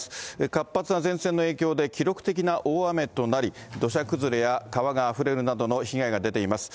活発な前線の影響で、記録的な大雨となり、土砂崩れや川があふれるなどの被害が出ています。